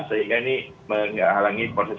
sehingga ini menghalangi proses